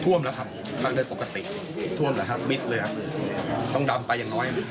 ท่วมแล้วครับครับแล้วปกติท่วมนะฮะมิตเลยฮะต้องตำไปอย่างน้อย